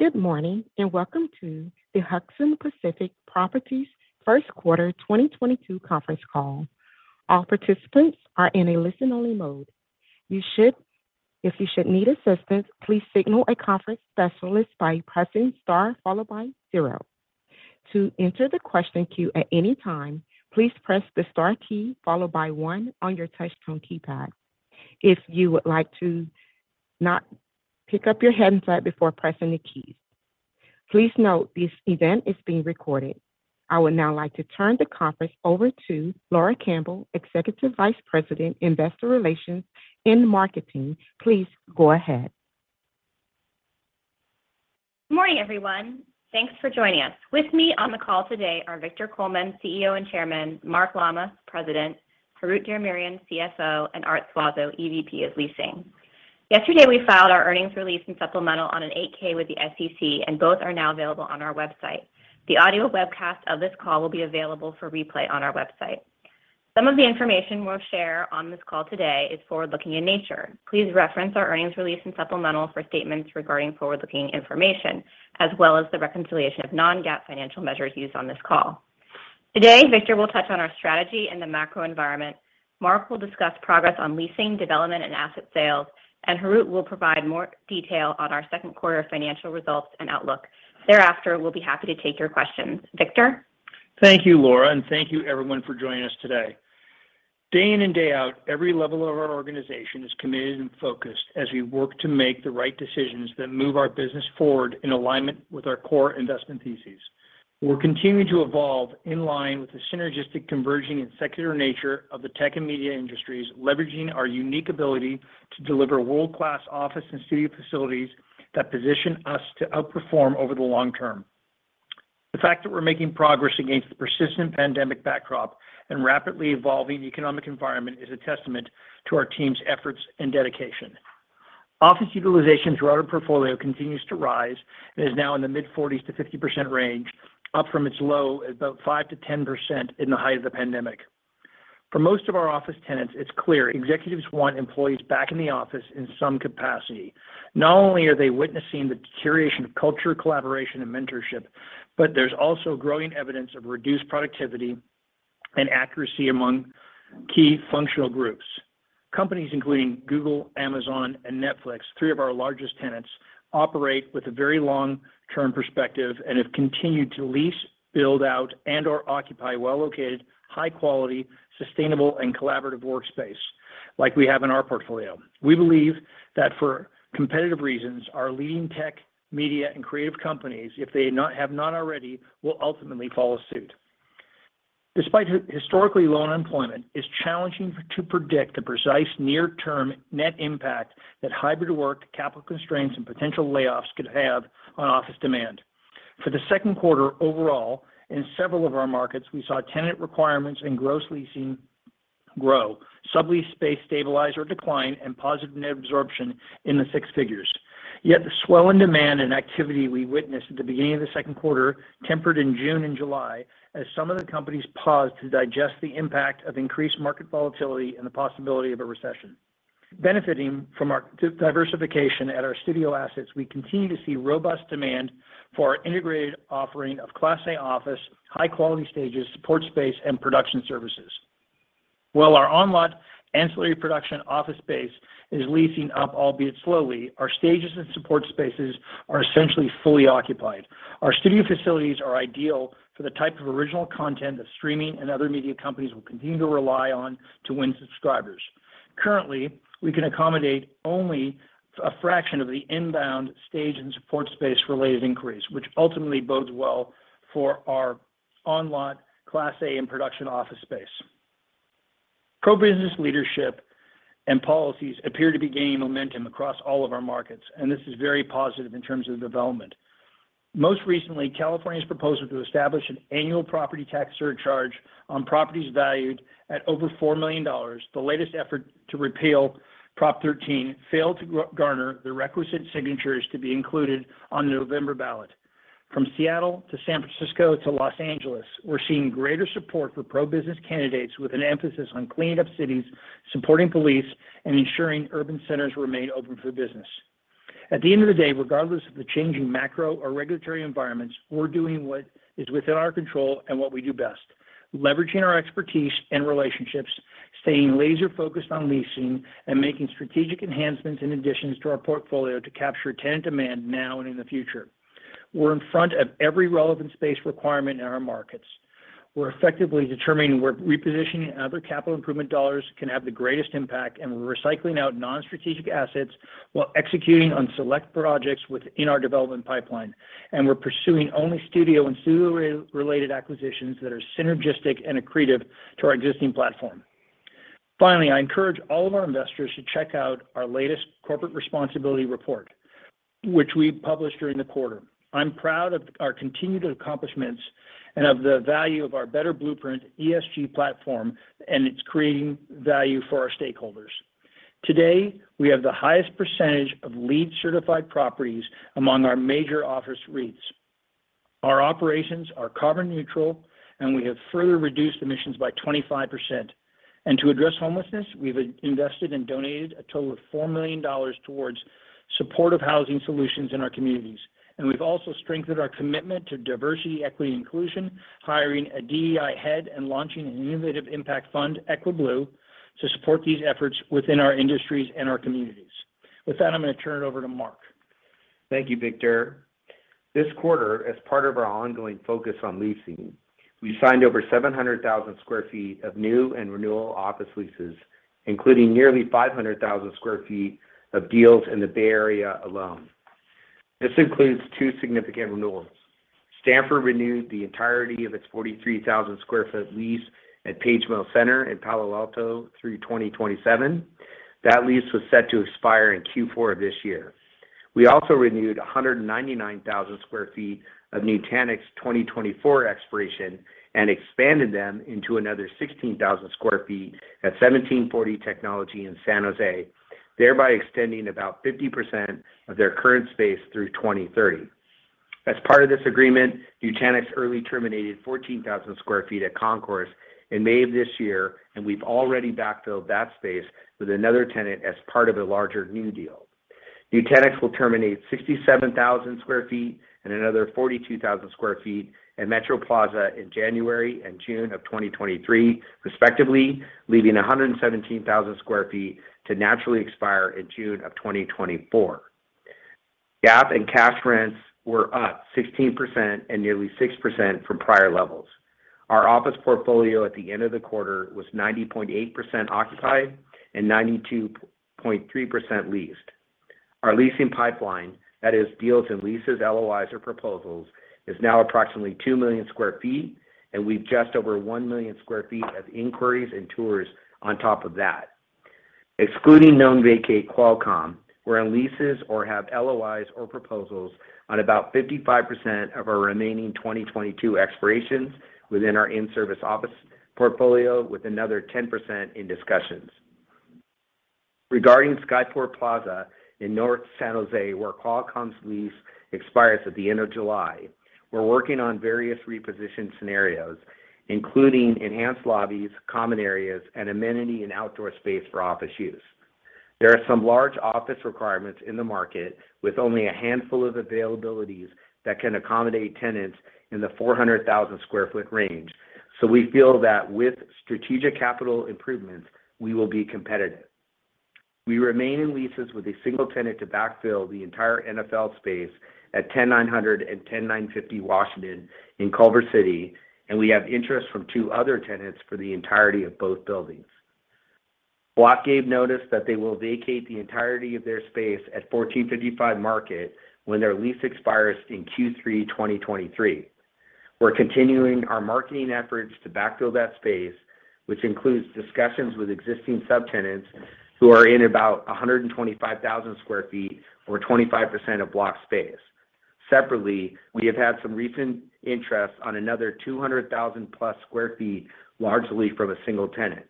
Good morning, and welcome to the Hudson Pacific Properties first quarter 2022 conference call. All participants are in a listen only mode. If you should need assistance, please signal a conference specialist by pressing Star followed by zero. To enter the question queue at any time, please press the Star key followed by one on your touchtone keypad. If you would like to not pick up your handset before pressing the keys. Please note this event is being recorded. I would now like to turn the conference over to Laura Campbell, Executive Vice President, Investor Relations and Marketing. Please go ahead. Morning, everyone. Thanks for joining us. With me on the call today are Victor Coleman, CEO and Chairman, Mark Lammas, President, Harout Diramerian, CFO, and Arthur Suazo, EVP of Leasing. Yesterday, we filed our earnings release and supplemental on an 8-K with the SEC, and both are now available on our website. The audio webcast of this call will be available for replay on our website. Some of the information we'll share on this call today is forward-looking in nature. Please reference our earnings release and supplemental for statements regarding forward-looking information, as well as the reconciliation of non-GAAP financial measures used on this call. Today, Victor will touch on our strategy in the macro environment. Mark will discuss progress on leasing, development, and asset sales, and Harout will provide more detail on our second quarter financial results and outlook. Thereafter, we'll be happy to take your questions. Victor. Thank you, Laura, and thank you everyone for joining us today. Day in and day out, every level of our organization is committed and focused as we work to make the right decisions that move our business forward in alignment with our core investment thesis. We're continuing to evolve in line with the synergistic converging and secular nature of the tech and media industries, leveraging our unique ability to deliver world-class office and studio facilities that position us to outperform over the long term. The fact that we're making progress against the persistent pandemic backdrop and rapidly evolving economic environment is a testament to our team's efforts and dedication. Office utilization throughout our portfolio continues to rise and is now in the mid 40% to 50% range, up from its low at about 5%-10% in the height of the pandemic. For most of our office tenants, it's clear executives want employees back in the office in some capacity. Not only are they witnessing the deterioration of culture, collaboration, and mentorship, but there's also growing evidence of reduced productivity and accuracy among key functional groups. Companies including Google, Amazon, and Netflix, three of our largest tenants, operate with a very long-term perspective and have continued to lease, build out, and/or occupy well-located, high quality, sustainable, and collaborative workspace like we have in our portfolio. We believe that for competitive reasons, our leading tech, media, and creative companies, if they have not already, will ultimately follow suit. Despite historically low unemployment, it's challenging to predict the precise near term net impact that hybrid work, capital constraints, and potential layoffs could have on office demand. For the second quarter overall, in several of our markets, we saw tenant requirements and gross leasing grow, sublease space stabilize or decline, and positive net absorption in the six figures. Yet the swell in demand and activity we witnessed at the beginning of the second quarter tempered in June and July as some of the companies paused to digest the impact of increased market volatility and the possibility of a recession. Benefiting from our diversification at our studio assets, we continue to see robust demand for our integrated offering of Class A office, high-quality stages, support space, and production services. While our on-lot ancillary production office space is leasing up, albeit slowly, our stages and support spaces are essentially fully occupied. Our studio facilities are ideal for the type of original content that streaming and other media companies will continue to rely on to win subscribers. Currently, we can accommodate only a fraction of the inbound stage and support space related inquiries, which ultimately bodes well for our on-lot class A and production office space. Pro-business leadership and policies appear to be gaining momentum across all of our markets, and this is very positive in terms of development. Most recently, California's proposal to establish an annual property tax surcharge on properties valued at over $4 million, the latest effort to repeal Prop 13, failed to garner the requisite signatures to be included on the November ballot. From Seattle to San Francisco to Los Angeles, we're seeing greater support for pro-business candidates with an emphasis on cleaning up cities, supporting police, and ensuring urban centers remain open for business. At the end of the day, regardless of the changing macro or regulatory environments, we're doing what is within our control and what we do best, leveraging our expertise and relationships, staying laser focused on leasing, and making strategic enhancements and additions to our portfolio to capture tenant demand now and in the future. We're in front of every relevant space requirement in our markets. We're effectively determining where repositioning and other capital improvement dollars can have the greatest impact, and we're recycling out non-strategic assets while executing on select projects within our development pipeline. We're pursuing only studio and studio-related acquisitions that are synergistic and accretive to our existing platform. Finally, I encourage all of our investors to check out our latest corporate responsibility report, which we published during the quarter. I'm proud of our continued accomplishments and of the value of our Better Blueprint ESG platform, and it's creating value for our stakeholders. Today, we have the highest percentage of LEED certified properties among our major office REITs. Our operations are carbon neutral, and we have further reduced emissions by 25%. To address homelessness, we've invested and donated a total of $4 million towards supportive housing solutions in our communities. We've also strengthened our commitment to diversity, equity, and inclusion, hiring a DEI head and launching an innovative impact fund, EquiBlue, to support these efforts within our industries and our communities. With that, I'm going to turn it over to Mark. Thank you, Victor. This quarter, as part of our ongoing focus on leasing, we signed over 700,000 sq ft of new and renewal office leases, including nearly 500,000 sq ft of deals in the Bay Area alone. This includes two significant renewals. Stanford renewed the entirety of its 43,000 sq ft lease at Page Mill Center in Palo Alto through 2027. That lease was set to expire in Q4 this year. We also renewed 199,000 sq ft of Nutanix 2024 expiration and expanded them into another 16,000 sq ft at 1740 Technology in San Jose, thereby extending about 50% of their current space through 2030. As part of this agreement, Nutanix early terminated 14,000 sq ft at Concourse in May of this year, and we've already backfilled that space with another tenant as part of a larger new deal. Nutanix will terminate 67,000 sq ft and another 42,000 sq ft at Metro Plaza in January and June of 2023, respectively, leaving 117,000 sq ft to naturally expire in June of 2024. GAAP and cash rents were up 16% and nearly 6% from prior levels. Our office portfolio at the end of the quarter was 90.8% occupied and 92.3% leased. Our leasing pipeline, that is deals and leases, LOIs or proposals, is now approximately 2 million sq ft, and we've just over 1 million sq ft of inquiries and tours on top of that. Excluding known vacate Qualcomm, we're on leases or have LOIs or proposals on about 55% of our remaining 2022 expirations within our in-service office portfolio, with another 10% in discussions. Regarding Skyport Plaza in North San Jose, where Qualcomm's lease expires at the end of July, we're working on various reposition scenarios, including enhanced lobbies, common areas, and amenity and outdoor space for office use. There are some large office requirements in the market with only a handful of availabilities that can accommodate tenants in the 400,000 sq ft range. We feel that with strategic capital improvements, we will be competitive. We remain in leases with a single tenant to backfill the entire NFL space at 10900 and 10950 Washington in Culver City, and we have interest from two other tenants for the entirety of both buildings. Block gave notice that they will vacate the entirety of their space at 1455 Market when their lease expires in Q3 2023. We're continuing our marketing efforts to backfill that space, which includes discussions with existing subtenants who are in about 125,000 sq ft or 25% of Block's space. Separately, we have had some recent interest on another 200,000+ sq ft, largely from a single tenant.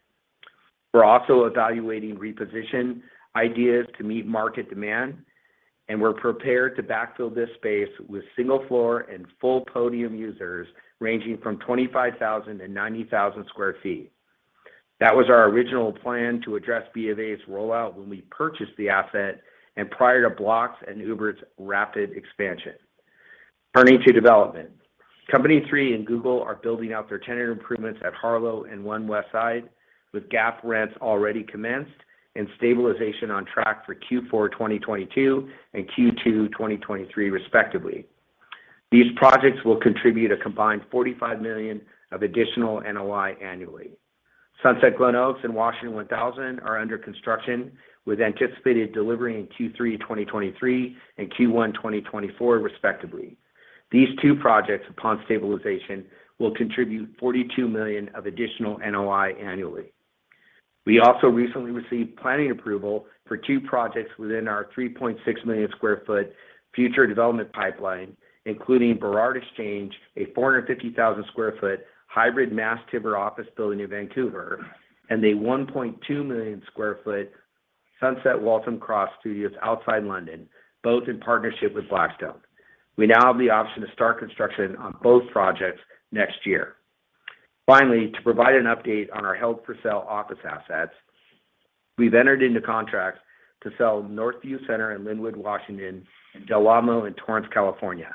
We're also evaluating reposition ideas to meet market demand, and we're prepared to backfill this space with single floor and full podium users ranging from 25,000-90,000 sq ft. That was our original plan to address B of A's rollout when we purchased the asset and prior to Block's and Uber's rapid expansion. Turning to development. Company 3 and Google are building out their tenant improvements at Harlow and One Westside, with GAP rents already commenced and stabilization on track for Q4 2022 and Q2 2023, respectively. These projects will contribute a combined $45 million of additional NOI annually. Sunset Glenoaks and Washington 1000 are under construction, with anticipated delivery in Q3 2023 and Q1 2024, respectively. These two projects, upon stabilization, will contribute $42 million of additional NOI annually. We also recently received planning approval for two projects within our 3.6 million sq ft future development pipeline, including Burrard Exchange, a 450,000 sq ft hybrid mass timber office building in Vancouver, and a 1.2 million sq ft Sunset Waltham Cross Studios outside London, both in partnership with Blackstone. We now have the option to start construction on both projects next year. Finally, to provide an update on our held-for-sale office assets, we've entered into contracts to sell Northview Center in Lynnwood, Washington, and Del Amo in Torrance, California.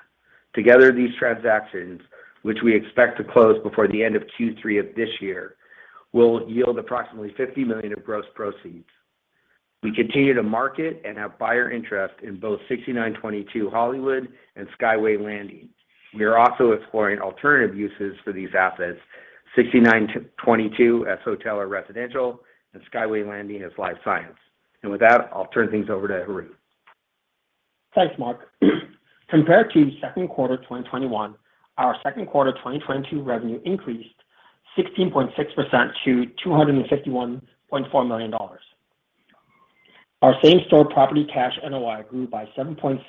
Together, these transactions, which we expect to close before the end of Q3 of this year, will yield approximately $50 million of gross proceeds. We continue to market and have buyer interest in both 6922 Hollywood and Skyway Landing. We are also exploring alternative uses for these assets, 6922 as hotel or residential, and Skyway Landing as life science. With that, I'll turn things over to Harout. Thanks, Mark. Compared to second quarter 2021, our second quarter 2022 revenue increased 16.6% to $251.4 million. Our same-store property cash NOI grew by 7.3%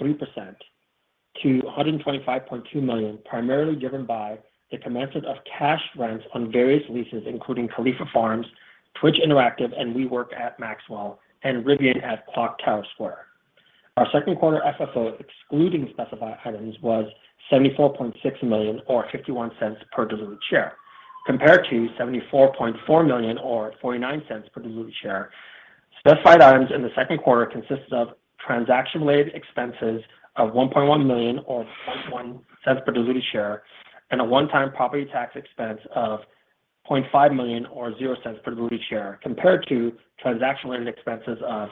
to $125.2 million, primarily driven by the commencement of cash rents on various leases, including Califia Farms, Twitch Interactive and WeWork at Maxwell and Rivian at Clocktower Square. Our second quarter FFO excluding specified items was $74.6 million or 51 cents per diluted share, compared to $74.4 million or 49 cents per diluted share. Specified items in the second quarter consisted of transaction-related expenses of $1.1 million or $0.001 per diluted share, and a one-time property tax expense of $0.5 million or $0.00 per diluted share, compared to transaction-related expenses of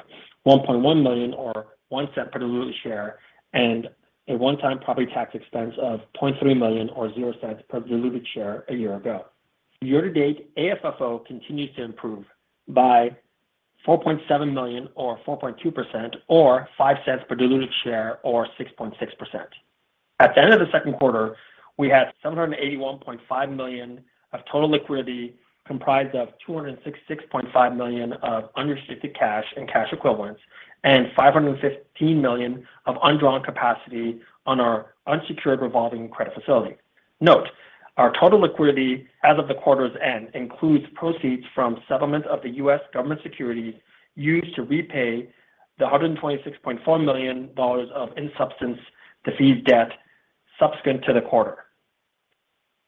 $1.1 million or $0.01 per diluted share and a one-time property tax expense of $0.3 million or $0.00 per diluted share a year ago. Year to date, AFFO continues to improve by $4.7 million or 4.2% or $0.05 per diluted share or 6.6%. At the end of the second quarter, we had $781.5 million of total liquidity, comprised of $266.5 million of unrestricted cash and cash equivalents and $515 million of undrawn capacity on our unsecured revolving credit facility. Note, our total liquidity as of the quarter's end includes proceeds from settlement of the US government security used to repay the $126.4 million of in-substance defeased debt subsequent to the quarter.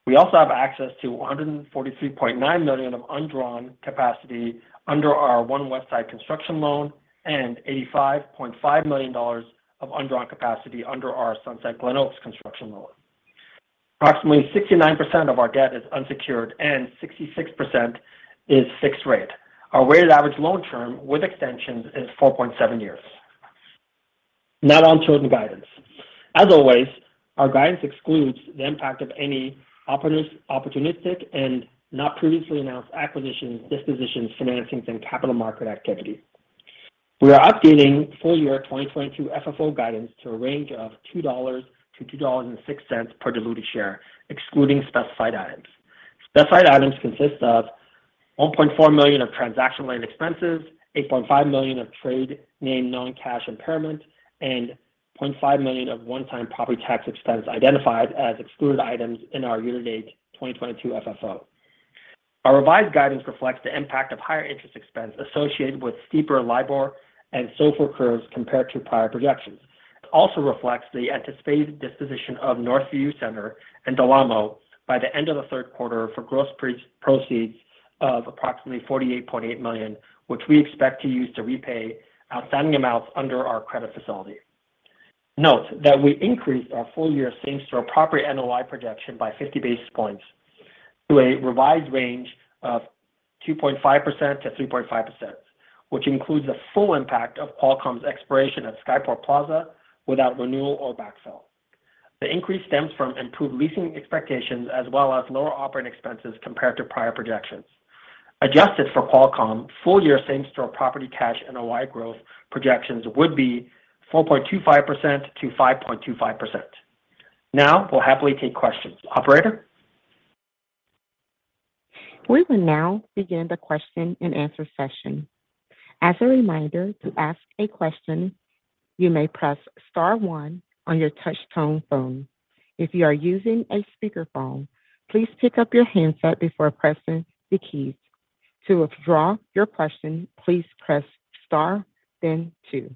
We also have access to $143.9 million of undrawn capacity under our One Westside construction loan and $85.5 million of undrawn capacity under our Sunset Glenoaks construction loan. Approximately 69% of our debt is unsecured and 66% is fixed rate. Our weighted average loan term with extensions is 4.7 years. Now on to the guidance. As always, our guidance excludes the impact of any opportunistic and not previously announced acquisitions, dispositions, financings, and capital market activity. We are updating full year 2022 FFO guidance to a range of $2-$2.06 per diluted share, excluding specified items. Specified items consist of $1.4 million of transaction-related expenses, $8.5 million of trade name non-cash impairment, and $0.5 million of one-time property tax expense identified as excluded items in our year-to-date 2022 FFO. Our revised guidance reflects the impact of higher interest expense associated with steeper LIBOR and SOFR curves compared to prior projections. It also reflects the anticipated disposition of Northview Center and Del Amo by the end of the third quarter for gross proceeds of approximately $48.8 million, which we expect to use to repay outstanding amounts under our credit facility. Note that we increased our full year same store property NOI projection by 50 basis points to a revised range of 2.5%-3.5%, which includes the full impact of Qualcomm's expiration at Skyport Plaza without renewal or backfill. The increase stems from improved leasing expectations as well as lower operating expenses compared to prior projections. Adjusted for Qualcomm, full year same store property cash NOI growth projections would be 4.25%-5.25%. Now we'll happily take questions. Operator? We will now begin the question and answer session. As a reminder, to ask a question, you may press star one on your touch tone phone. If you are using a speaker phone, please pick up your handset before pressing the keys. To withdraw your question, please press star, then two.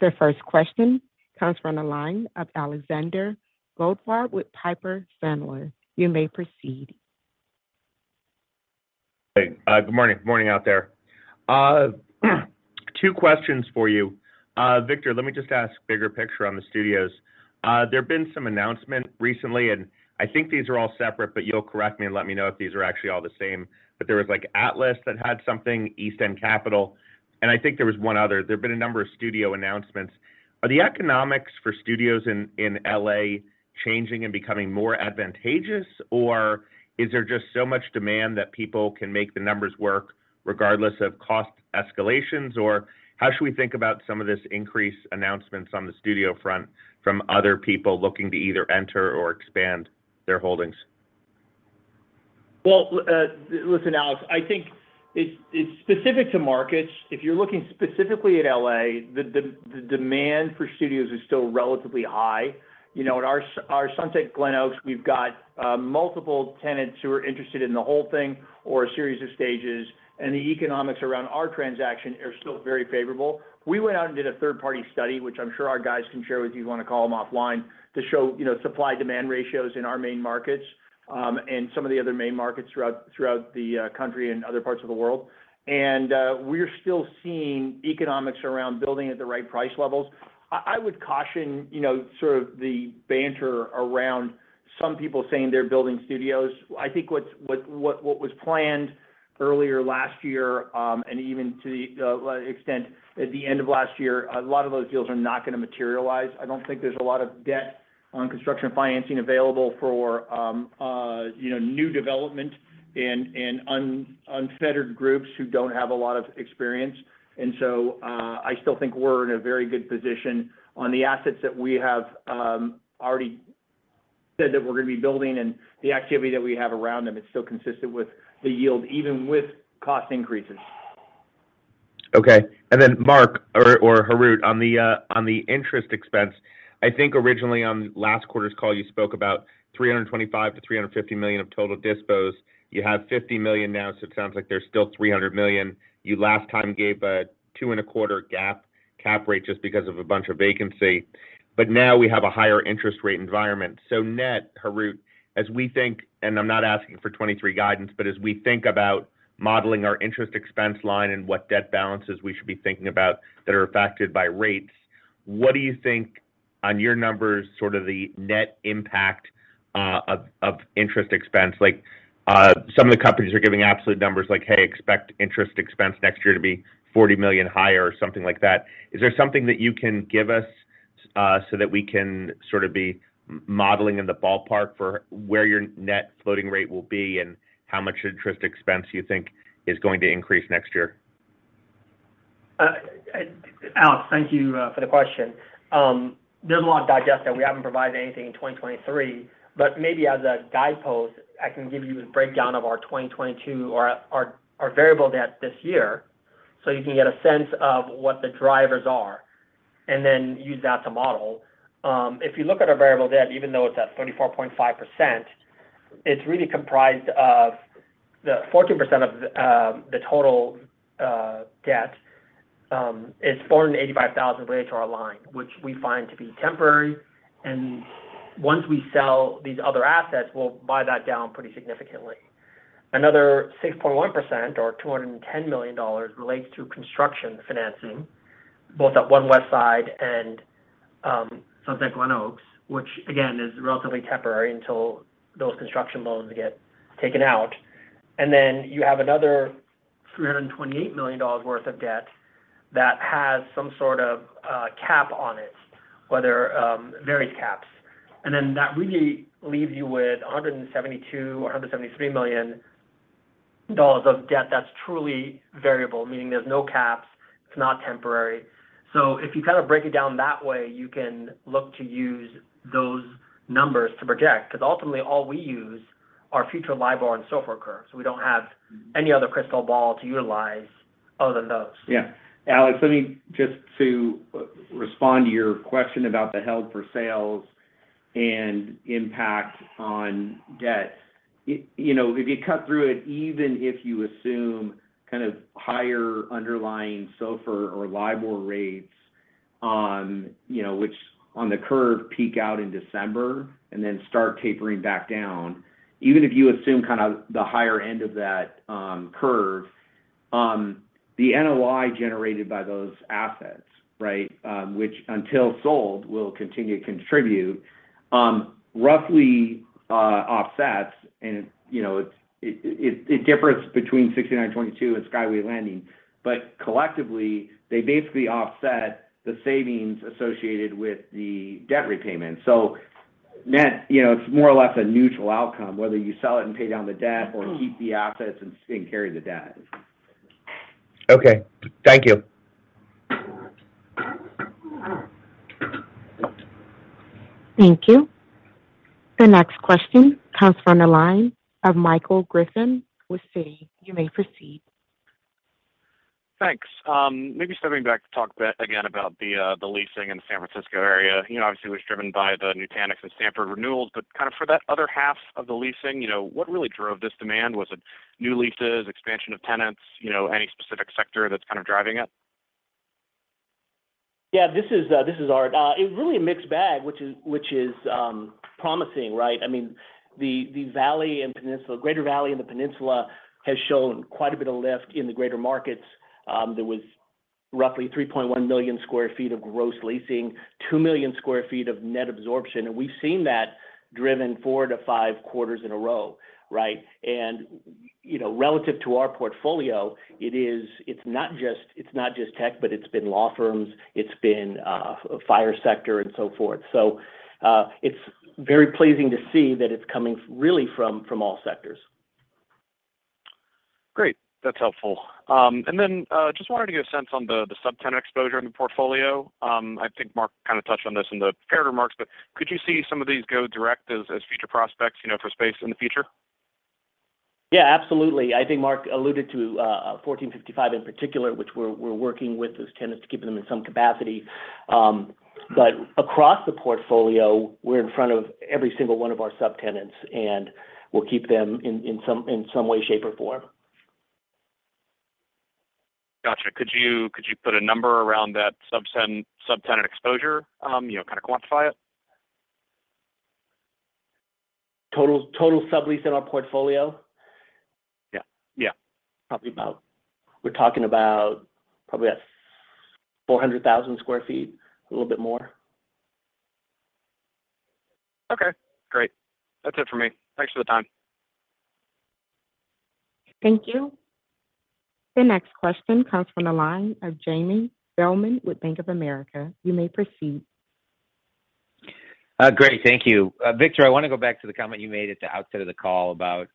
The first question comes from the line of Alexander Goldfarb with Piper Sandler. You may proceed. Hey. Good morning. Good morning out there. Two questions for you. Victor, let me just ask bigger picture on the studios. There have been some announcements recently, and I think these are all separate, but you'll correct me and let me know if these are actually all the same. There was, like, Atlas that had something, East End Capital, and I think there was one other. There have been a number of studio announcements. Are the economics for studios in L.A. changing and becoming more advantageous, or is there just so much demand that people can make the numbers work regardless of cost escalations, or how should we think about some of this increase in announcements on the studio front from other people looking to either enter or expand their holdings? Well, listen, Alex, I think it's specific to markets. If you're looking specifically at LA, the demand for studios is still relatively high. You know, at our Sunset Glenoaks Studios, we've got multiple tenants who are interested in the whole thing or a series of stages, and the economics around our transaction are still very favorable. We went out and did a third-party study, which I'm sure our guys can share with you if you want to call them offline, to show, you know, supply-demand ratios in our main markets, and some of the other main markets throughout the country and other parts of the world. We're still seeing economics around building at the right price levels. I would caution, you know, sort of the banter around some people saying they're building studios. I think what was planned earlier last year, and even to the extent at the end of last year, a lot of those deals are not going to materialize. I don't think there's a lot of debt and construction financing available for, you know, new development and unfettered groups who don't have a lot of experience. I still think we're in a very good position on the assets that we have, already said that we're going to be building and the activity that we have around them. It's still consistent with the yield, even with cost increases. Okay. Then Mark or Harout, on the interest expense, I think originally on last quarter's call, you spoke about $325 million-$350 million of total debt. You have $50 million now, so it sounds like there's still $300 million. You last time gave a 2.25 GAAP cap rate just because of a bunch of vacancy. But now we have a higher interest rate environment. Net, Harout, as we think, and I'm not asking for 2023 guidance, but as we think about modeling our interest expense line and what debt balances we should be thinking about that are affected by rates, what do you think on your numbers, sort of the net impact of interest expense? Like, some of the companies are giving absolute numbers like, hey, expect interest expense next year to be $40 million higher, or something like that. Is there something that you can give us, so that we can sort of be modeling in the ballpark for where your net floating rate will be and how much interest expense you think is going to increase next year? Alex, thank you for the question. There's a lot to digest that we haven't provided anything in 2023, but maybe as a guidepost, I can give you a breakdown of our 2022 or our variable debt this year, so you can get a sense of what the drivers are and then use that to model. If you look at our variable debt, even though it's at 24.5%, it's really the 14% of the total debt is from the $85 million related to our line, which we find to be temporary. Once we sell these other assets, we'll pay that down pretty significantly. Another 6.1% or $210 million relates to construction financing, both at One Westside and Sunset Glenoaks Studios, which again is relatively temporary until those construction loans get taken out. You have another $328 million worth of debt that has some sort of cap on it, whether various caps. That really leaves you with a $172 million or a $173 million of debt that's truly variable, meaning there's no caps, it's not temporary. If you kind of break it down that way, you can look to use those numbers to project. Because ultimately all we use are future LIBOR and SOFR curves. We don't have any other crystal ball to utilize other than those. Yeah. Alex, let me just to respond to your question about the held for sales and impact on debt. You know, if you cut through it, even if you assume kind of higher underlying SOFR or LIBOR rates on, you know, which, on the curve peak out in December and then start tapering back down. Even if you assume kind of the higher end of that curve, the NOI generated by those assets, right, which until sold, will continue to contribute, roughly, offsets. You know, it differs between 6922 and Skyway Landing. Collectively, they basically offset the savings associated with the debt repayment. Net, you know, it's more or less a neutral outcome, whether you sell it and pay down the debt or keep the assets and carry the debt. Okay. Thank you. Thank you. The next question comes from the line of Michael Griffin with Citi. You may proceed. Thanks. Maybe stepping back to talk a bit again about the leasing in the San Francisco area. You know, obviously it was driven by the Nutanix and Stanford renewals, but kind of for that other half of the leasing, you know, what really drove this demand? Was it new leases, expansion of tenants, you know, any specific sector that's kind of driving it? Yeah. This is Art. It's really a mixed bag, which is promising, right? I mean, the valley and peninsula, greater valley and the peninsula, has shown quite a bit of lift in the greater markets. There was roughly 3.1 million sq ft of gross leasing, 2 million sq ft of net absorption. We've seen that driven 4-5 quarters in a row, right? You know, relative to our portfolio, it is not just tech, but it's been law firms, it's been financial sector and so forth. It's very pleasing to see that it's coming really from all sectors. Great. That's helpful. Just wanted to get a sense on the subtenant exposure in the portfolio. I think Mark kind of touched on this in the prepared remarks, but could you see some of these go direct as future prospects, you know, for space in the future? Yeah, absolutely. I think Mark alluded to 1455 Market in particular, which we're working with those tenants to keep them in some capacity. Across the portfolio, we're in front of every single one of our subtenants, and we'll keep them in some way, shape, or form. Gotcha. Could you put a number around that subtenant exposure, you know, kind of quantify it? Total sublease in our portfolio? Yeah. Yeah. We're talking about probably at 400,000 sq ft, a little bit more. Okay, great. That's it for me. Thanks for the time. Thank you. The next question comes from the line of Jamie Feldman with Bank of America. You may proceed. Great. Thank you. Victor, I wanna go back to the comment you made at the outset of the call about,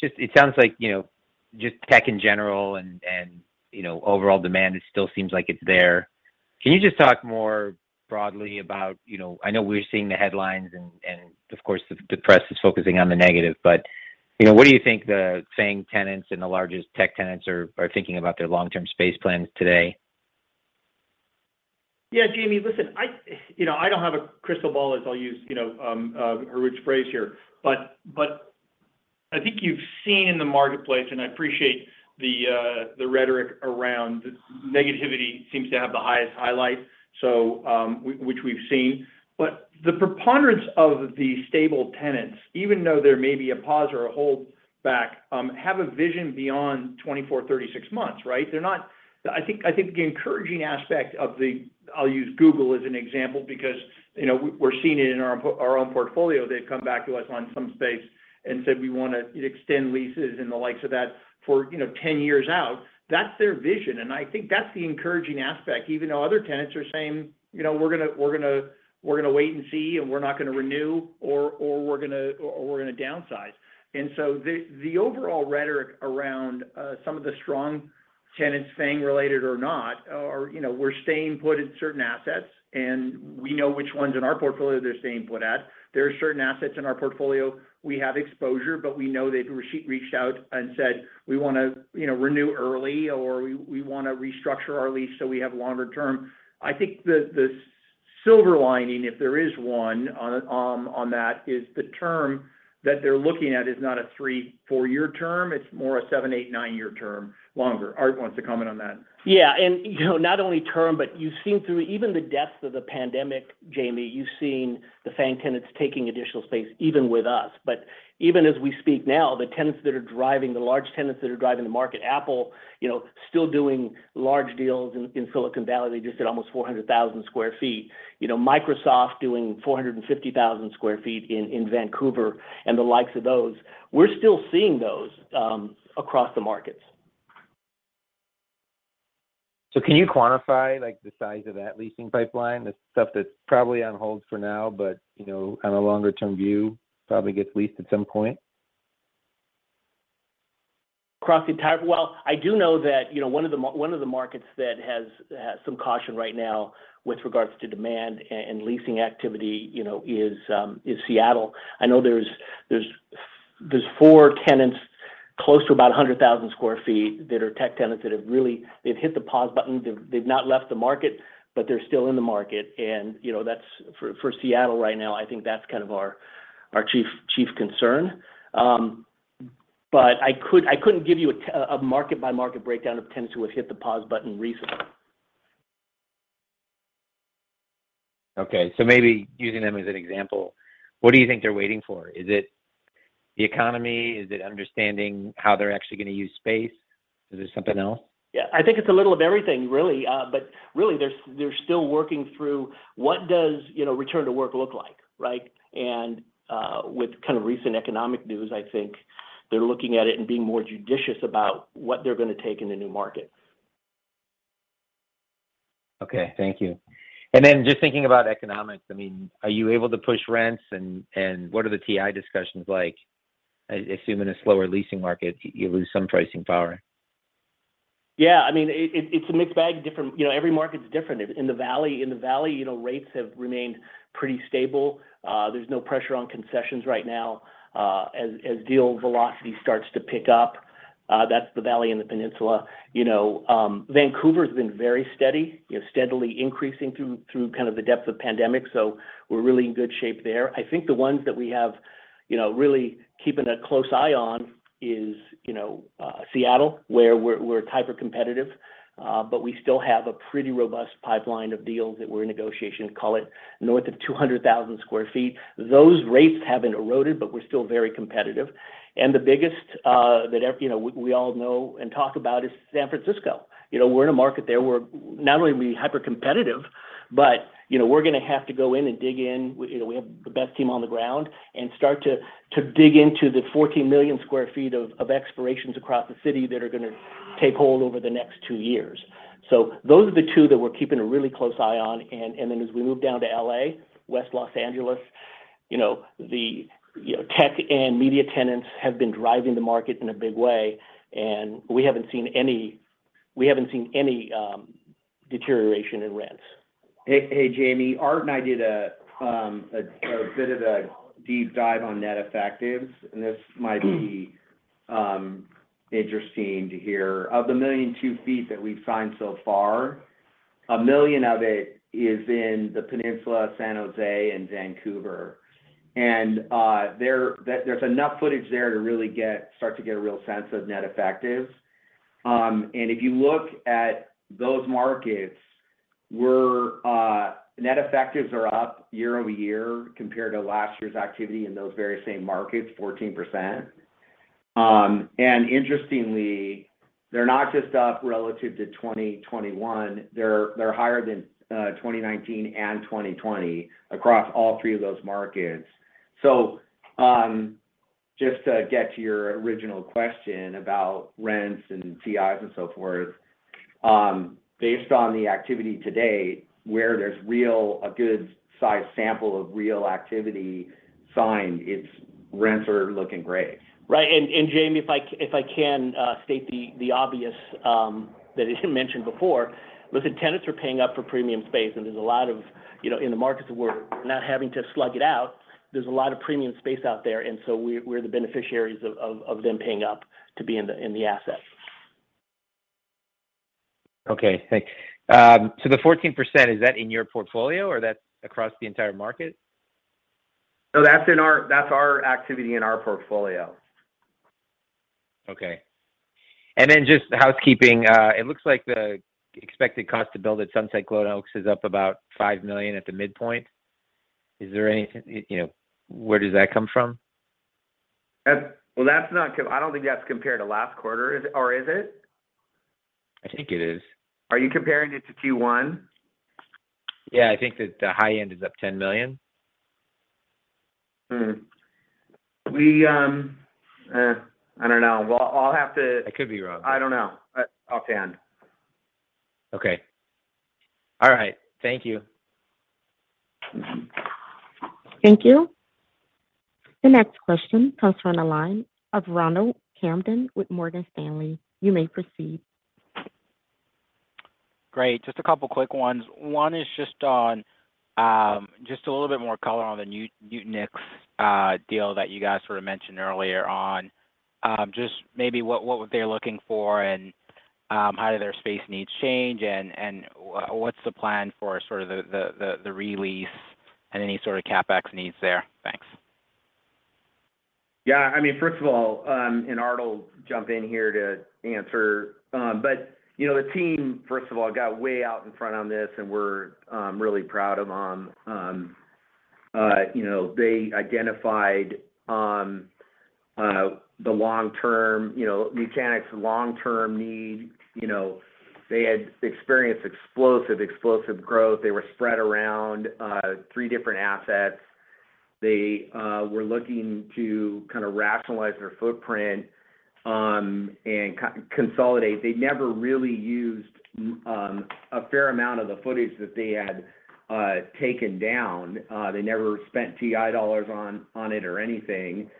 just it sounds like, you know, just tech in general and, you know, overall demand, it still seems like it's there. Can you just talk more broadly about, you know, I know we're seeing the headlines and, of course, the press is focusing on the negative. You know, what do you think the FAANG tenants and the largest tech tenants are thinking about their long-term space plans today? Yeah, Jamie, listen, I, you know, I don't have a crystal ball as I'll use, you know, a rich phrase here. I think you've seen in the marketplace, and I appreciate the rhetoric around negativity seems to have the highest highlight, so, which we've seen. The preponderance of the stable tenants, even though there may be a pause or a hold back, have a vision beyond 24, 36 months, right? I think the encouraging aspect. I'll use Google as an example because, you know, we're seeing it in our own portfolio. They've come back to us on some space and said, we wanna extend leases, and the likes of that for, you know, 10 years out. That's their vision, and I think that's the encouraging aspect. Even though other tenants are saying, you know, we're gonna wait and see, and we're not gonna renew, or we're gonna downsize. The overall rhetoric around some of the strong tenants, FAANG related or not, are, you know, we're staying put in certain assets, and we know which ones in our portfolio they're staying put at. There are certain assets in our portfolio, we have exposure, but we know they've reached out and said, we wanna, you know, renew early, or we wanna restructure our lease so we have longer term. I think the silver lining, if there is one on that, is the term that they're looking at is not a three to four year term, it's more of seven to eight year term, longer. Art wants to comment on that. Yeah. You know, not only term, but you've seen through even the depths of the pandemic, Jamie, you've seen the FAANG tenants taking additional space, even with us. But even as we speak now, the large tenants that are driving the market, Apple, you know, still doing large deals in Silicon Valley. They just did almost 400,000 sq ft. You know, Microsoft doing 450,000 sq ft in Vancouver, and the likes of those. We're still seeing those across the markets. Can you quantify like the size of that leasing pipeline, the stuff that's probably on hold for now, but, you know, on a longer term view probably gets leased at some point? Well, I do know that, you know, one of the markets that has some caution right now with regards to demand and leasing activity, you know, is Seattle. I know there's four tenants close to about 100,000 sq ft that are tech tenants that have really hit the pause button. They've not left the market, but they're still in the market. You know, that's for Seattle right now, I think that's kind of our chief concern. But I couldn't give you a market by market breakdown of tenants who have hit the pause button recently. Okay. Maybe using them as an example, what do you think they're waiting for? Is it the economy? Is it understanding how they're actually gonna use space? Is it something else? Yeah. I think it's a little of everything, really. Really they're still working through what does, you know, return to work look like, right? With kind of recent economic news, I think they're looking at it and being more judicious about what they're gonna take in the new market. Okay. Thank you. Then just thinking about economics, I mean, are you able to push rents, and what are the TI discussions like? I assume in a slower leasing market you lose some pricing power. Yeah. I mean, it's a mixed bag. You know, every market's different. In the Valley, you know, rates have remained pretty stable. There's no pressure on concessions right now, as deal velocity starts to pick up. That's the Valley and the peninsula. You know, Vancouver's been very steady. You know, steadily increasing through kind of the depth of pandemic. We're really in good shape there. I think the ones that we have, you know, really keeping a close eye on is, you know, Seattle, where we're hypercompetitive, but we still have a pretty robust pipeline of deals that we're in negotiation. Call it north of 200,000 sq ft. Those rates have been eroded, but we're still very competitive. The biggest you know, we all know and talk about is San Francisco. You know, we're in a market there where not only are we hypercompetitive, but you know, we're gonna have to go in and dig in. You know, we have the best team on the ground, and start to dig into the 14 million sq ft of expirations across the city that are gonna take hold over the next two years. Those are the two that we're keeping a really close eye on. Then as we move down to L.A., West Los Angeles, you know, the you know, tech and media tenants have been driving the market in a big way, and we haven't seen any deterioration in rents. Hey, hey, Jamie. Art and I did a bit of a deep dive on net effectives, and this might be interesting to hear. Of the 1.2 million sq ft that we've signed so far, 1 million sq ft of it is in the Peninsula, San Jose, and Vancouver. There's enough footage there to really start to get a real sense of net effectives. If you look at those markets, net effectives are up year-over-year compared to last year's activity in those very same markets, 14%. Interestingly, they're not just up relative to 2021, they're higher than 2019 and 2020 across all three of those markets. Just to get to your original question about rents and TIs and so forth, based on the activity today where there's a good size sample of real activity signed, it's rents are looking great. Right. Jamie, if I can state the obvious that you mentioned before was that tenants are paying up for premium space, and, you know, in the markets that we're not having to slug it out, there's a lot of premium space out there, and so we're the beneficiaries of them paying up to be in the asset. Okay. Thanks. The 14%, is that in your portfolio, or that's across the entire market? No, that's our activity in our portfolio. Okay. Just housekeeping. It looks like the expected cost to build at Sunset Glenoaks is up about $5 million at the midpoint. Is there anything, you know, where does that come from? Well, I don't think that's compared to last quarter. Is it? Or is it? I think it is. Are you comparing it to Q1? Yeah, I think that the high end is up $10 million. I don't know. I'll have to. I could be wrong. I don't know, but offhand. Okay. All right. Thank you. Thank you. The next question comes from the line of Ronald Kamdem with Morgan Stanley. You may proceed. Great. Just a couple quick ones. One is just on, just a little bit more color on the Nutanix deal that you guys sort of mentioned earlier on. Just maybe what they're looking for and how do their space needs change, and what's the plan for sort of the re-lease and any sort of CapEx needs there? Thanks. Yeah. I mean, first of all, Art'll jump in here to answer. You know, the team, first of all, got way out in front on this, and we're really proud of them. You know, they identified the long-term, you know, Nutanix's long-term need. You know, they had experienced explosive growth. They were spread around three different assets. They were looking to kind of rationalize their footprint and consolidate. They never really used a fair amount of the footage that they had taken down. They never spent TI dollars on it or anything.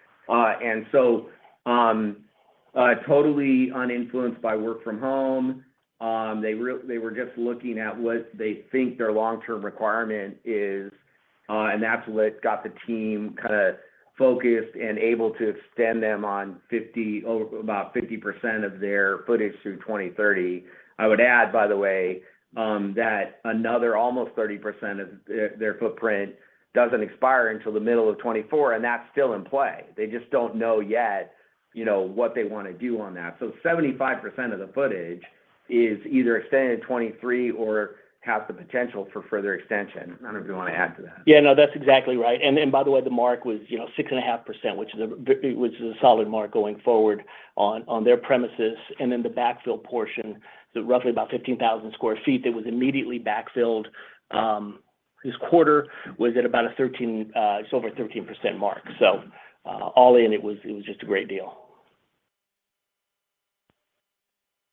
Totally uninfluenced by work from home, they were just looking at what they think their long-term requirement is, and that's what got the team kind of focused and able to extend them on 50%, or about 50% of their footage through 2030. I would add, by the way, that another almost 30% of their footprint doesn't expire until the middle of 2024, and that's still in play. They just don't know yet, you know, what they wanna do on that. 75% of the footage is either extended 2023 or has the potential for further extension. I don't know if you wanna add to that. Yeah. No, that's exactly right. By the way, the mark was, you know, 6.5%, which is a solid mark going forward on their premises. The backfill portion, the roughly about 15,000 sq ft that was immediately backfilled this quarter was at about a 13, just over a 13% mark. All in it was just a great deal.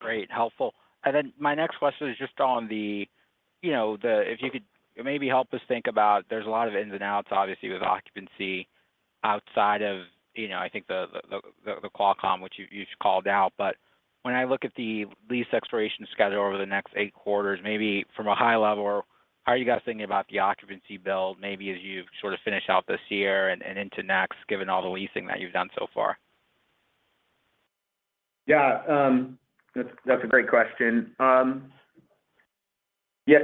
Great. Helpful. Then my next question is just on the, you know, the. If you could maybe help us think about there's a lot of ins and outs obviously with occupancy outside of, you know, I think the Qualcomm, which you called out. But when I look at the lease expiration schedule over the next eight quarters, maybe from a high level, how are you guys thinking about the occupancy build maybe as you sort of finish out this year and into next given all the leasing that you've done so far? Yeah. That's a great question. Yeah.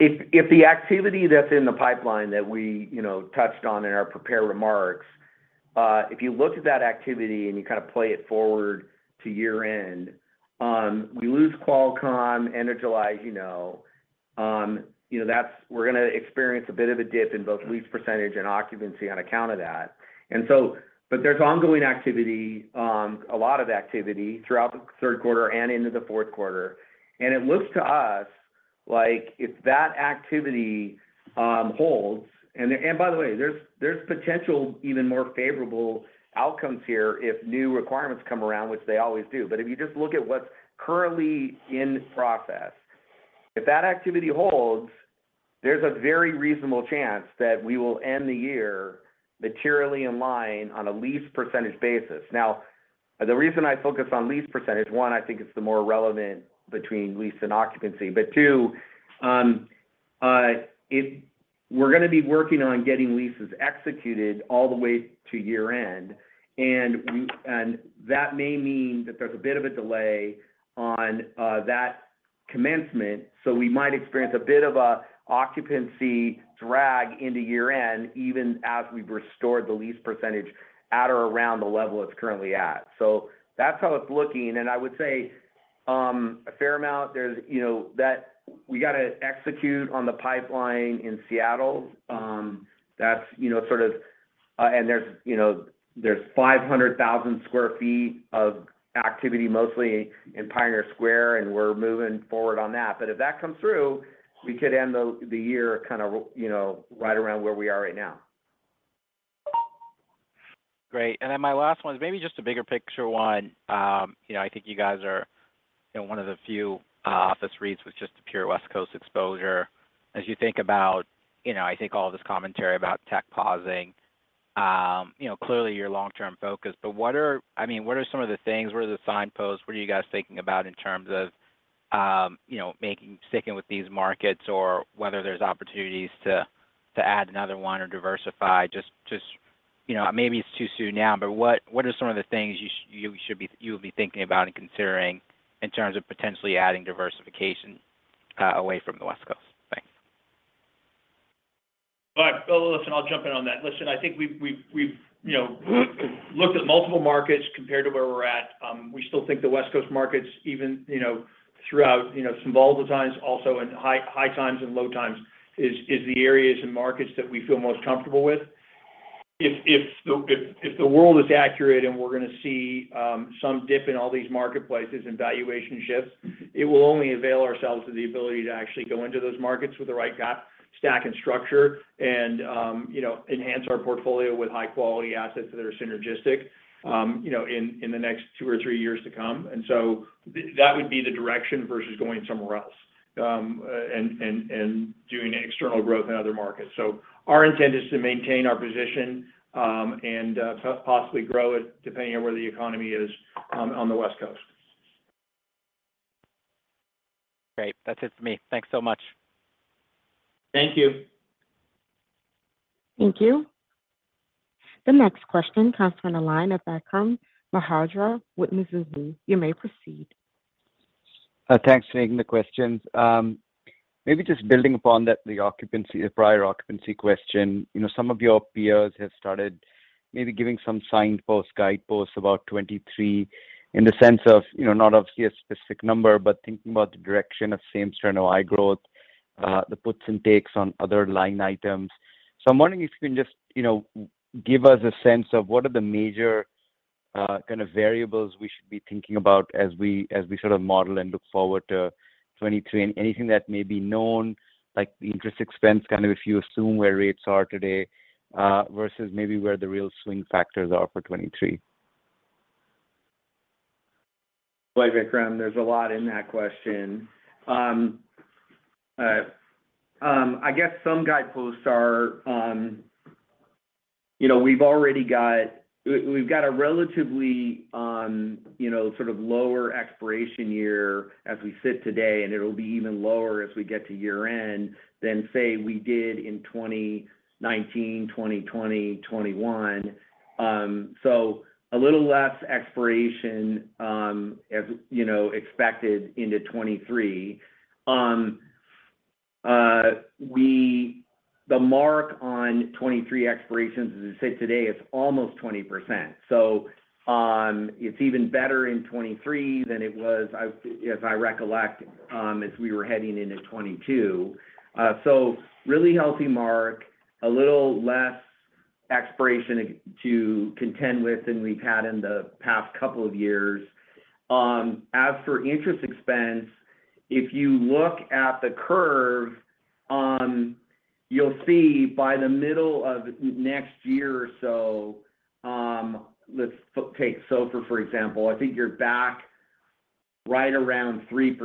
If the activity that's in the pipeline that we, you know, touched on in our prepared remarks, if you look at that activity and you kind of play it forward to year end, we lose Qualcomm end of July as you know. You know, that's. We're gonna experience a bit of a dip in both lease percentage and occupancy on account of that. There's ongoing activity, a lot of activity throughout the third quarter and into the fourth quarter. It looks to us like if that activity holds, and by the way, there's potential even more favorable outcomes here if new requirements come around, which they always do. If you just look at what's currently in process, if that activity holds, there's a very reasonable chance that we will end the year materially in line on a lease percentage basis. Now, the reason I focus on lease percentage, one, I think it's the more relevant between lease and occupancy. Two, if we're gonna be working on getting leases executed all the way to year end, and that may mean that there's a bit of a delay on that commencement. We might experience a bit of an occupancy drag into year end, even as we've restored the lease percentage at or around the level it's currently at. That's how it's looking. I would say, a fair amount, there's, you know, that we gotta execute on the pipeline in Seattle. That's, you know, sort of, and there's, you know, 500,000 sq ft of activity mostly in Pioneer Square, and we're moving forward on that. If that comes through, we could end the year kind of, you know, right around where we are right now. Great. Then my last one is maybe just a bigger picture one. You know, I think you guys are one of the few office REITs with just a pure West Coast exposure. As you think about, you know, I think all this commentary about tech pausing, you know, clearly your long-term focus. I mean, what are some of the things, what are the signposts, what are you guys thinking about in terms of sticking with these markets or whether there's opportunities to add another one or diversify? Just, you know, maybe it's too soon now. What are some of the things you'll be thinking about and considering in terms of potentially adding diversification away from the West Coast? Thanks. Listen, I'll jump in on that. Listen, I think we've you know looked at multiple markets compared to where we're at. We still think the West Coast markets, even you know throughout you know some volatile times also in high times and low times is the areas and markets that we feel most comfortable with. If the world is accurate and we're gonna see some dip in all these marketplaces and valuation shifts, it will only avail ourselves to the ability to actually go into those markets with the right cap stack and structure and you know enhance our portfolio with high quality assets that are synergistic you know in the next two or three years to come. That would be the direction versus going somewhere else, and doing external growth in other markets. Our intent is to maintain our position, and possibly grow it depending on where the economy is, on the West Coast. Great. That's it for me. Thanks so much. Thank you. Thank you. The next question comes from the line of Vikram Malhotra with Mizuho. You may proceed. Thanks for taking the questions. Maybe just building upon that, the occupancy, the prior occupancy question. You know, some of your peers have started maybe giving some signpost, guideposts about 2023 in the sense of, you know, not obviously a specific number, but thinking about the direction of same store NOI growth, the puts and takes on other line items. I'm wondering if you can just, you know, give us a sense of what are the major, kind of variables we should be thinking about as we sort of model and look forward to 2023. Anything that may be known, like the interest expense, kind of if you assume where rates are today, versus maybe where the real swing factors are for 2023. Vikram, there's a lot in that question. I guess some guideposts are, you know, we've already got a relatively, you know, sort of lower expiration year as we sit today, and it'll be even lower as we get to year-end than, say, we did in 2019, 2020, 2021. A little less expiration, as you know, expected into 2023. The mark on 2023 expirations, as I said today, is almost 20%. It's even better in 2023 than it was, if I recollect, as we were heading into 2022. Really healthy mark. A little less expiration got to contend with than we've had in the past couple of years. As for interest expense, if you look at the curve, you'll see by the middle of next year or so, let's take SOFR, for example. I think you're back right around 3%,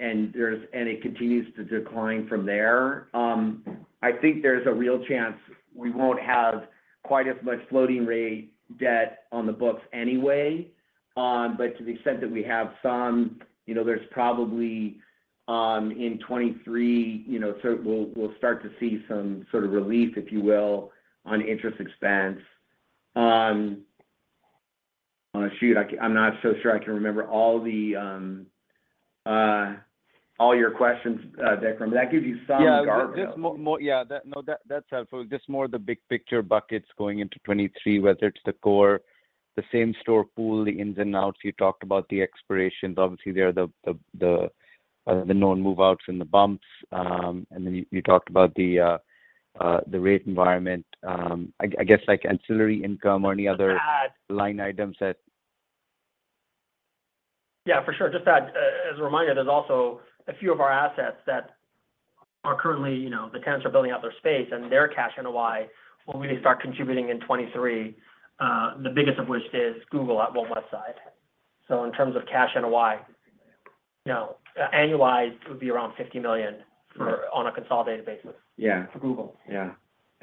and it continues to decline from there. I think there's a real chance we won't have quite as much floating rate debt on the books anyway. But to the extent that we have some, you know, there's probably, in 2023, you know, so we'll start to see some sort of relief, if you will, on interest expense. Oh, shoot, I'm not so sure I can remember all the, all your questions, Vikram. But that gives you some guardrails. Yeah. That's helpful. Just more the big picture buckets going into 2023, whether it's the core, the same-store pool, the ins and outs. You talked about the expirations. Obviously, they're the known move-outs and the bumps. You talked about the rate environment. I guess, like ancillary income or any other. Just add. Line items that. Yeah, for sure. Just add, as a reminder, there's also a few of our assets that are currently, you know, the tenants are building out their space, and their cash NOI will really start contributing in 2023. The biggest of which is Google at One Westside. So in terms of cash NOI, you know, annualized would be around $50 million for- Right. on a consolidated basis. Yeah. For Google. Yeah.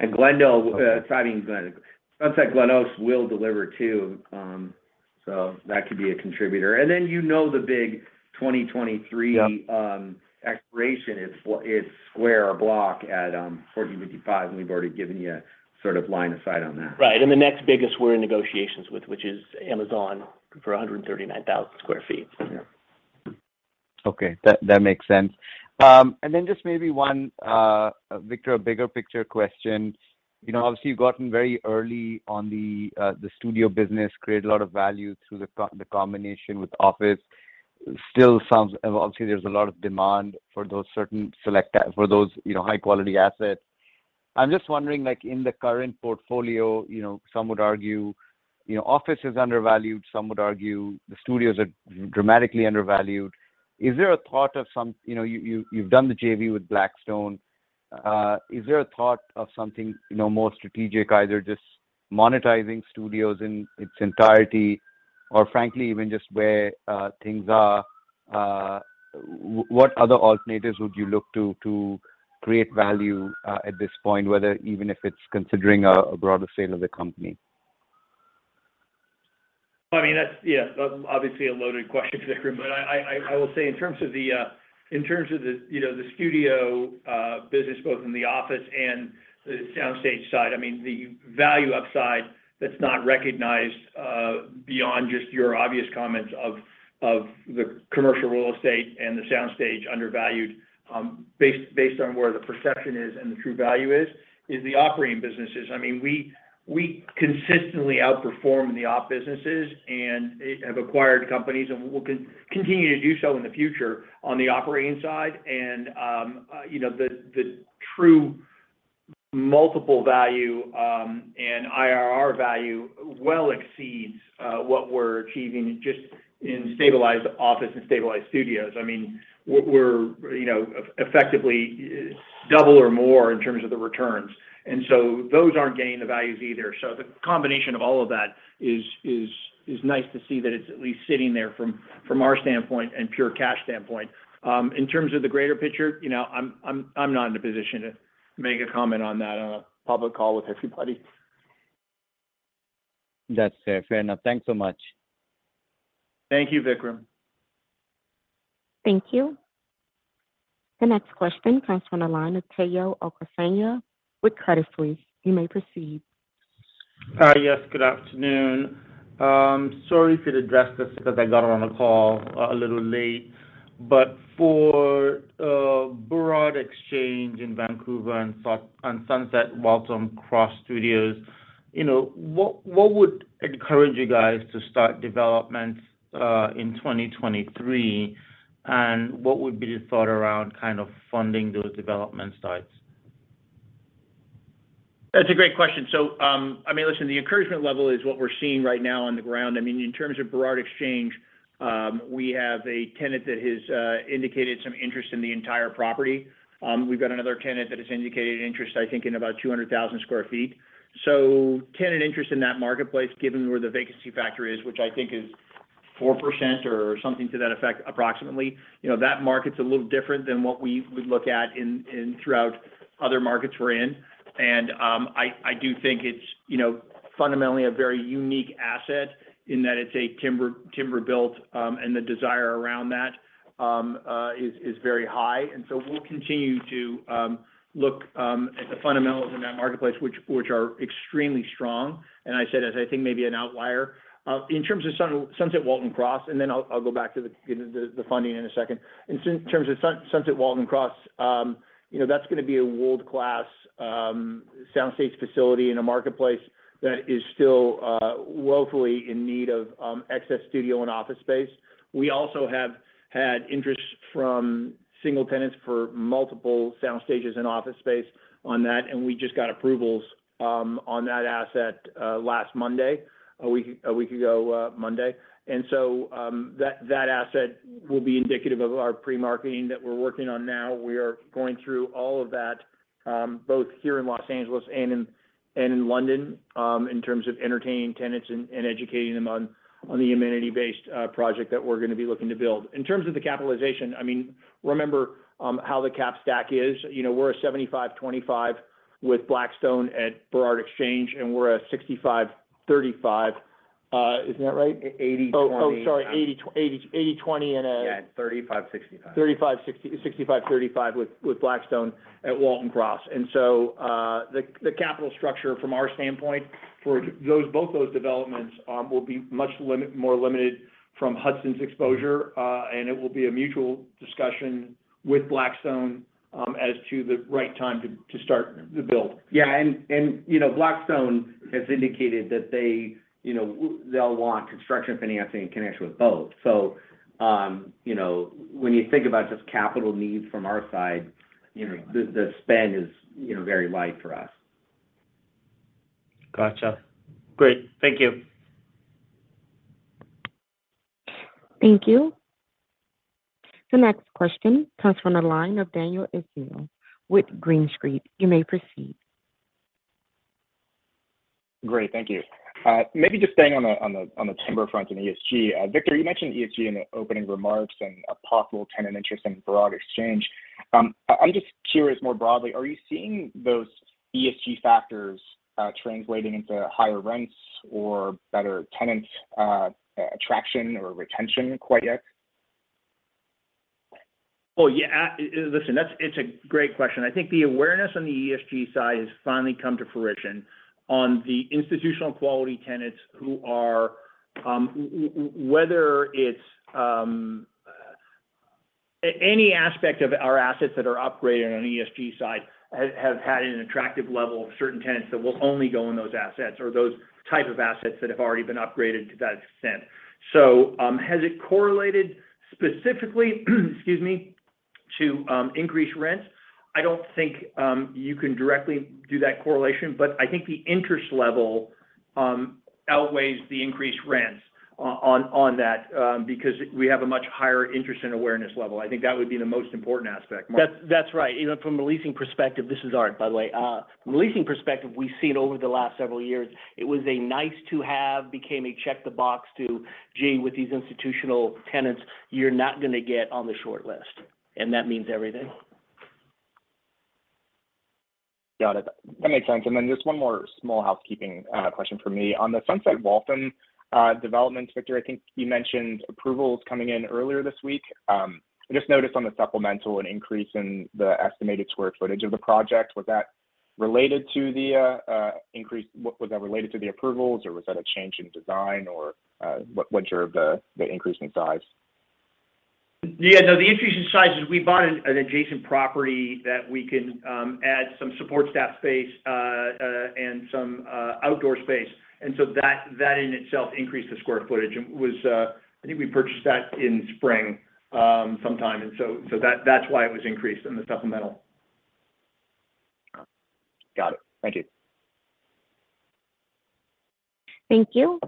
Sunset Glenoaks Studios will deliver too. That could be a contributor. The big 2023- Yeah expiration is this Square Block at 1455 Market, and we've already given you a sort of line of sight on that. Right. The next biggest we're in negotiations with, which is Amazon for 139,000 sq ft. Yeah. Okay. That makes sense. Just maybe one, Victor, a bigger picture question. You know, obviously, you've gotten very early on the studio business, created a lot of value through the combination with office. Still sounds obviously, there's a lot of demand for those certain select for those, you know, high quality assets. I'm just wondering, like in the current portfolio, you know, some would argue, you know, office is undervalued, some would argue the studios are dramatically undervalued. Is there a part of some. You know, you’ve done the JV with Blackstone. Is there a thought of something, you know, more strategic, either just monetizing studios in its entirety or frankly even just where things are, what other alternatives would you look to to create value at this point, whether even if it’s considering a broader sale of the company? I mean, that's, yeah, obviously a loaded question, Vikram. But I will say in terms of the, you know, the studio business both in the office and the sound stage side. I mean, the value upside that's not recognized beyond just your obvious comments of the commercial real estate and the sound stage undervalued, based on where the perception is and the true value is the operating businesses. I mean, we consistently outperform the op businesses and have acquired companies, and we'll continue to do so in the future on the operating side. You know, the true multiple value and IRR value well exceeds what we're achieving just in stabilized office and stabilized studios. I mean, we're, you know, effectively double or more in terms of the returns. Those aren't getting the values either. The combination of all of that is nice to see that it's at least sitting there from our standpoint and pure cash standpoint. In terms of the greater picture, you know, I'm not in a position to make a comment on that on a public call with everybody. That's fair. Fair enough. Thanks so much. Thank you, Vikram. Thank you. The next question comes from the line of Tayo Okusanya with Credit Suisse. You may proceed. Hi. Yes, good afternoon. Sorry if you'd addressed this because I got on the call a little late. For Burrard Exchange in Vancouver and Sunset Waltham Cross Studios, you know, what would encourage you guys to start development in 2023? And what would be the thought around kind of funding those development sites? That's a great question. I mean, listen, the encouragement level is what we're seeing right now on the ground. I mean, in terms of Burrard Exchange, we have a tenant that has indicated some interest in the entire property. We've got another tenant that has indicated interest, I think in about 200,000 sq ft. Tenant interest in that marketplace, given where the vacancy factor is, which I think is 4% or something to that effect approximately. You know, that market's a little different than what we would look at in throughout other markets we're in. I do think it's, you know, fundamentally a very unique asset in that it's a timber built, and the desire around that is very high. We'll continue to look at the fundamentals in that marketplace, which are extremely strong. I said as I think maybe an outlier. In terms of Sunset Waltham Cross, and then I'll go back to the funding in a second. In terms of Sunset Waltham Cross, you know, that's gonna be a world-class soundstages facility in a marketplace that is still woefully in need of excess studio and office space. We also have had interest from single tenants for multiple soundstages and office space on that, and we just got approvals on that asset last Monday, a week ago Monday. That asset will be indicative of our pre-marketing that we're working on now. We are going through all of that, both here in Los Angeles and in London, in terms of entertaining tenants and educating them on the amenity-based project that we're gonna be looking to build. In terms of the capitalization, I mean, remember how the cap stack is. You know, we're a 75/25 with Blackstone at Burrard Exchange, and we're a 65/35. Isn't that right? 80/20. Oh, sorry. 80/20. Yeah, 35/65. 35/60-65/35 with Blackstone at Waltham Cross. The capital structure from our standpoint for both those developments will be much more limited from Hudson's exposure. It will be a mutual discussion with Blackstone as to the right time to start the build. You know, Blackstone has indicated that they, you know, they'll want construction financing in connection with both. You know, when you think about just capital needs from our side, you know, the spend is, you know, very light for us. Gotcha. Great. Thank you. Thank you. The next question comes from the line of Daniel Ismail with Green Street. You may proceed. Great. Thank you. Maybe just staying on the timber front and ESG. Victor, you mentioned ESG in the opening remarks and a possible tenant interest in Burrard Exchange. I'm just curious more broadly, are you seeing those ESG factors translating into higher rents or better tenant attraction or retention quite yet? Well, yeah. Listen, it's a great question. I think the awareness on the ESG side has finally come to fruition on the institutional quality tenants who are, whether it's any aspect of our assets that are upgraded on an ESG side have had an attractive level of certain tenants that will only go in those assets or those type of assets that have already been upgraded to that extent. Has it correlated specifically, excuse me, to increase rent? I don't think you can directly do that correlation. I think the interest level outweighs the increased rents on that because we have a much higher interest and awareness level. I think that would be the most important aspect. That's right. You know, from a leasing perspective. This is Art, by the way. From a leasing perspective, we've seen over the last several years it was a nice to have, became a check the box to, gee, with these institutional tenants, you're not gonna get on the short list, and that means everything. Got it. That makes sense. Then just one more small housekeeping question from me. On the Sunset Waltham Cross development, Victor, I think you mentioned approvals coming in earlier this week. I just noticed on the supplemental an increase in the estimated square footage of the project. Was that related to the approvals, or was that a change in design, or what drove the increase in size? Yeah, no, the increase in size is we bought an adjacent property that we can add some support staff space and some outdoor space. That in itself increased the square footage. I think we purchased that in spring sometime, and so that's why it was increased in the supplemental. Got it. Thank you. Thank you.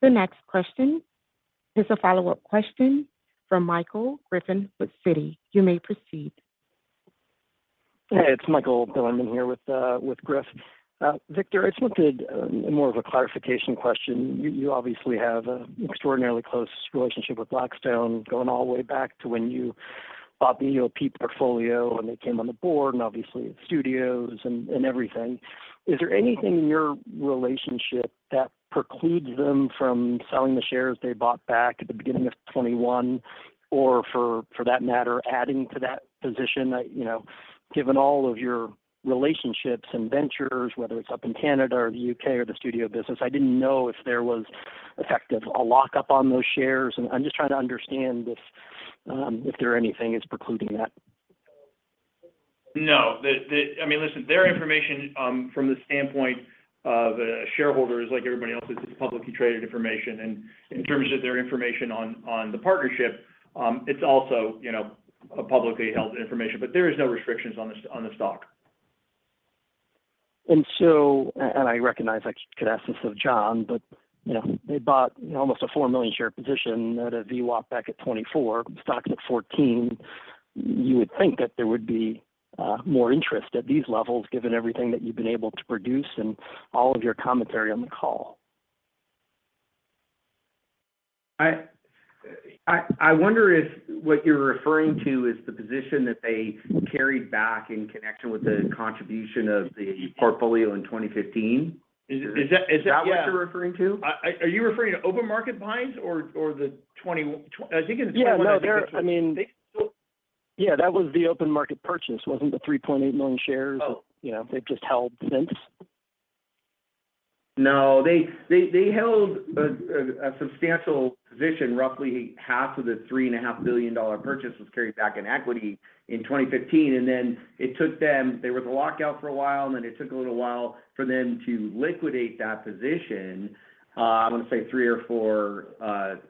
The next question is a follow-up question from Michael Griffin with Citi. You may proceed. Hey, it's Michael Griffin here with Griff. Victor, I just wanted more of a clarification question. You obviously have an extraordinarily close relationship with Blackstone going all the way back to when you bought the EOP portfolio when they came on the board and obviously the studios and everything. Is there anything in your relationship that precludes them from selling the shares they bought back at the beginning of 2021 or for that matter, adding to that position that, you know, given all of your relationships and ventures, whether it's up in Canada or the U.K. or the studio business, I didn't know if there was effectively a lock-up on those shares, and I'm just trying to understand if there are anything that's precluding that. No. I mean, listen, their information from the standpoint of a shareholder is like everybody else's, it's publicly traded information. In terms of their information on the partnership, it's also, you know, publicly held information. There is no restrictions on the stock. I recognize I could ask this of John, but you know, they bought almost a 4 million share position at a VWAP back at 24, stock's at 14. You would think that there would be more interest at these levels given everything that you've been able to produce and all of your commentary on the call. I wonder if what you're referring to is the position that they carried back in connection with the contribution of the portfolio in 2015. Is that what you're referring to? Are you referring to open market buys or the 20? I think in 20- I mean. They- Yeah, that was the open market purchase, wasn't the 3.8 million shares? Oh. You know, they've just held since. No. They held a substantial position. Roughly half of the $3.5 billion purchase was carried back in equity in 2015, and then it took them. There was a lockout for a while, and then it took a little while for them to liquidate that position. I wanna say three or four.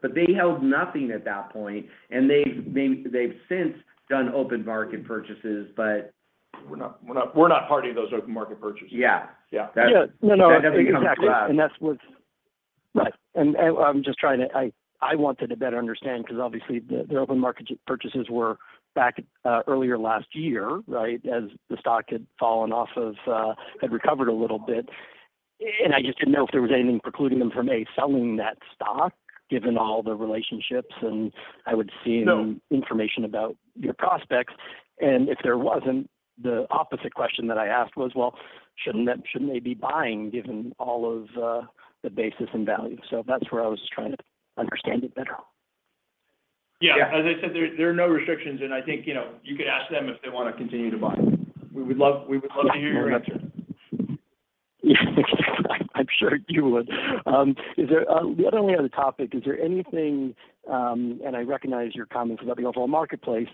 But they held nothing at that point, and they've since done open market purchases. But we're not party to those open market purchases. Yeah. No. That never becomes exactly. And that's what's right. I'm just trying to. I wanted to better understand because obviously the open market purchases were back earlier last year, right? As the stock had fallen off of had recovered a little bit. I just didn't know if there was anything precluding them from A, selling that stock given all the relationships. Information about your prospects. If there wasn't, the opposite question that I asked was, well, shouldn't they be buying given all of the basis and value? That's where I was trying to understand it better. Yeah. As I said, there are no restrictions, and I think, you know, you could ask them if they wanna continue to buy. We would love to hear your answer. I'm sure you would. The only other topic, is there anything, and I recognize your comments about the overall marketplace,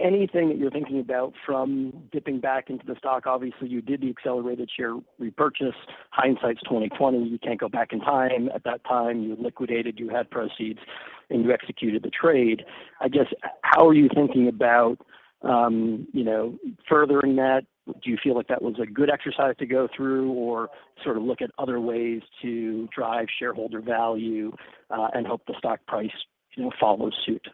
anything that you're thinking about from dipping back into the stock? Obviously, you did the accelerated share repurchase. Hindsight's 20/20. You can't go back in time. At that time, you liquidated, you had proceeds, and you executed the trade. I guess, how are you thinking about, you know, furthering that? Do you feel like that was a good exercise to go through or sort of look at other ways to drive shareholder value, and hope the stock price, you know, follows suit?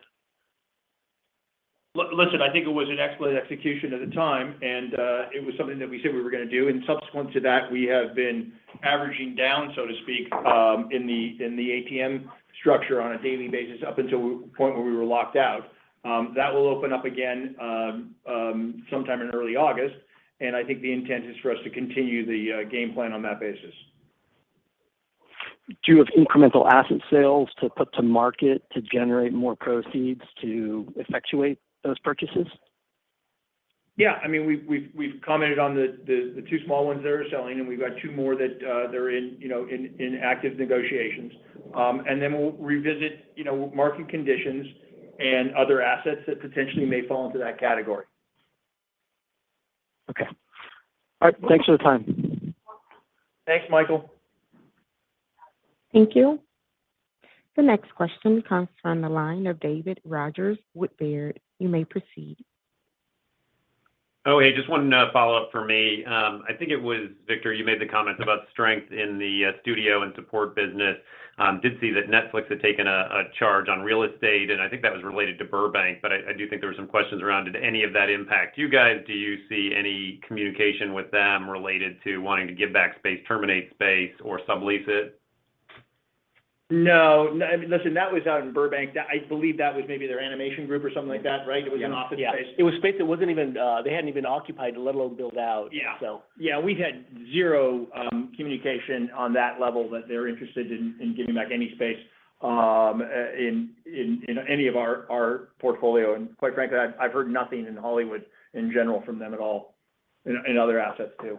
Listen, I think it was an excellent execution at the time, and it was something that we said we were gonna do. Subsequent to that, we have been averaging down, so to speak, in the ATM structure on a daily basis up until the point where we were locked out. That will open up again sometime in early August, and I think the intent is for us to continue the game plan on that basis. Do you have incremental asset sales to put to market to generate more proceeds to effectuate those purchases? Yeah. I mean, we've commented on the two small ones that are selling, and we've got two more that they're in, you know, in active negotiations. We'll revisit, you know, market conditions and other assets that potentially may fall into that category. Okay. All right. Thanks for the time. Thanks, Michael. Thank you. The next question comes from the line of David Rodgers with Baird. You may proceed. Oh, hey, just one follow-up from me. I think it was Victor, you made the comment about strength in the studio and support business. I did see that Netflix had taken a charge on real estate, and I think that was related to Burbank. I do think there were some questions around did any of that impact you guys. Do you see any communication with them related to wanting to give back space, terminate space, or sublease it? No, listen, that was out in Burbank. That I believe that was maybe their animation group or something like that, right? It was an office space. Yeah. It was space that wasn't even they hadn't even occupied, let alone built out. Yeah. Yeah. We've had zero communication on that level that they're interested in giving back any space in any of our portfolio. Quite frankly, I've heard nothing in Hollywood in general from them at all, and other assets too.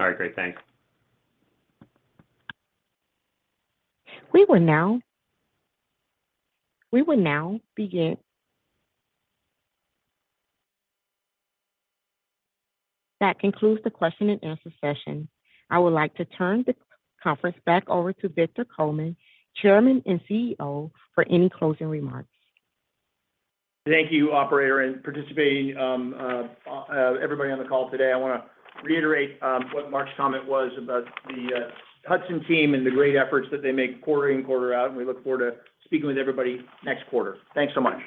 All right. Great. Thanks. We will now begin. That concludes the question and answer session. I would like to turn the conference back over to Victor Coleman, Chairman and CEO, for any closing remarks. Thank you, operator, and participating everybody on the call today. I wanna reiterate what Mark's comment was about the Hudson team and the great efforts that they make quarter in, quarter out, and we look forward to speaking with everybody next quarter. Thanks so much.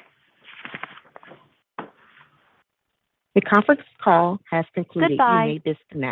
The conference call has concluded. Goodbye. You may disconnect.